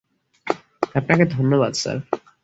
আপনাকে ধন্যবাদ, স্যার।